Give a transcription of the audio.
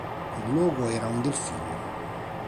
Il logo era un delfino.